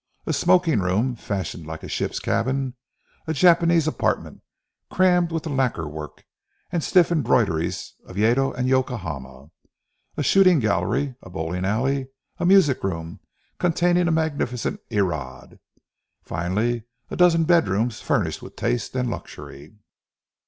A smoking room fashioned like a ship's cabin: a Japanese apartment, crammed with the lacquer work, and stiff embroideries of Yeddo and Yokahama; a shooting gallery; a bowling alley; a music room, containing a magnificent Erard. Finally a dozen bedrooms furnished with taste and luxury.